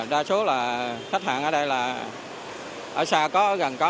đa số là khách hàng ở đây là ở xa có gần có